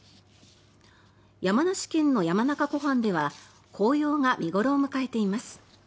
山梨県の山中湖畔では紅葉が見頃を迎えています。